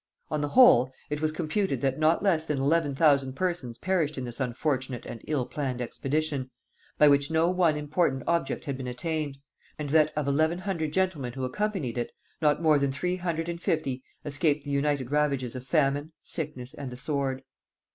On the whole, it was computed that not less than eleven thousand persons perished in this unfortunate and ill planned expedition, by which no one important object had been attained; and that of eleven hundred gentlemen who accompanied it, not more than three hundred and fifty escaped the united ravages of famine, sickness, and the sword.